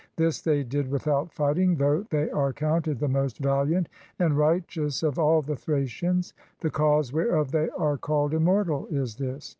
This they did without fight ing, though they are counted the most vaHant and right eous of all the Thracians. The cause wherefore they are called Immortal is this.